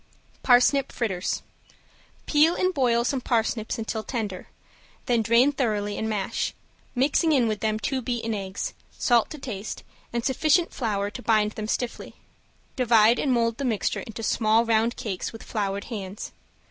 ~PARSNIP FRITTERS~ Peel and boil some parsnips until tender, then drain thoroughly and mash, mixing in with them two beaten eggs, salt to taste, and sufficient flour to bind them stiffly. Divide and mold the mixture into small round cakes with floured hands.